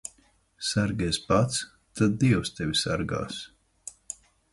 Sargies pats, tad dievs tevi sargās.